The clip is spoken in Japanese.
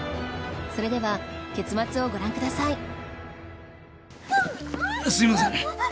それでは結末をご覧くださいうっ！